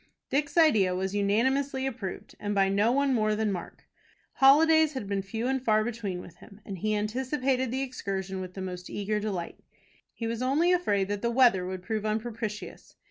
Dick's idea was unanimously approved, and by no one more than by Mark. Holidays had been few and far between with him, and he anticipated the excursion with the most eager delight. He was only afraid that the weather would prove unpropitious.